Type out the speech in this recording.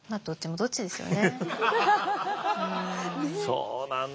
そうなんだよね。